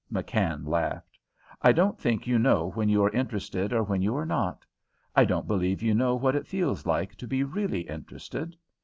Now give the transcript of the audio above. McKann laughed. "I don't think you know when you are interested or when you are not. I don't believe you know what it feels like to be really interested.